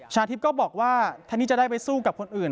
ชาทิพย์ก็บอกว่าแทนที่จะได้ไปสู้กับคนอื่น